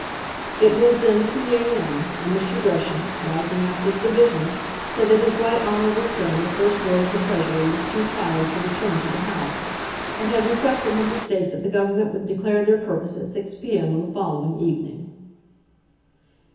It was then 3 a.m., and Mr. Gresham, rising after the division, said that his right honourable friend the First Lord of the Treasury was too tired to return to the House, and had requested him to state that the Government would declare their purpose at 6 p.m. on the following evening.